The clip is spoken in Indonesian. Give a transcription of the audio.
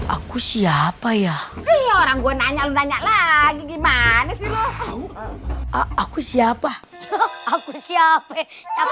aku siapa ya orang gue nanya nanya lagi gimana aku siapa aku siapa